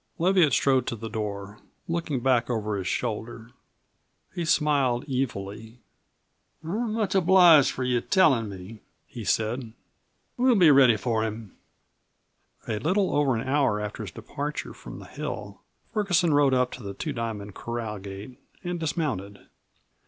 Leviatt strode to the door. Looking back over his shoulder, he smiled evilly. "I'm much obliged to you for tellin' me," he said. "We'll be ready for him." A little over an hour after his departure from the hill, Ferguson rode up to the Two Diamond corral gate and dismounted.